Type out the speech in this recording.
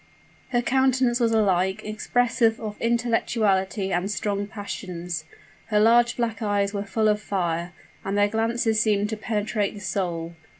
Her countenance was alike expressive of intellectuality and strong passions. Her large black eyes were full of fire, and their glances seemed to penetrate the soul.